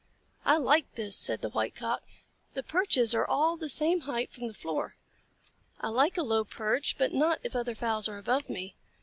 "I like this," said the White Cock. "The perches are all the same height from the floor. I like a low perch, but not if other fowls are above me.